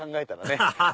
アハハハ